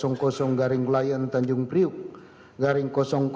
garing layan tanjung priuk garing dua